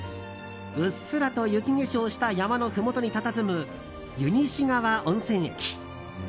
うっすらと雪化粧をした山のふもとにたたずむ湯西川温泉駅。